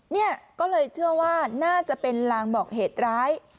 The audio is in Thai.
เนี่ยก็เลยเชื่อว่าน่าจะเป็นลางบอกเหตุร้าย